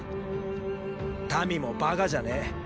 民もバカじゃねェ。